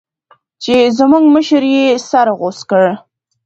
چې زموږ مشر يې سر غوڅ کړ.